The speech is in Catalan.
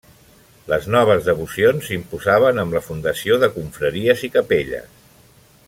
Les noves devocions s'imposaven amb la fundació de confraries i capelles.